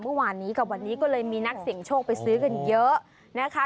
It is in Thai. เมื่อวานนี้กับวันนี้ก็เลยมีนักเสี่ยงโชคไปซื้อกันเยอะนะคะ